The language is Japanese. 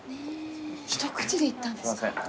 一口でいったんですか？